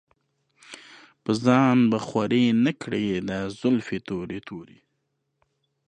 پۀ ځان به خوَرې نۀ کړې دا زلفې تورې تورې